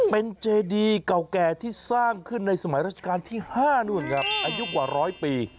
เป็นเจดีเก่าแก่ที่สร้างขึ้นในสมัยราชการที่๕นู่นครับอายุกว่าร้อยปี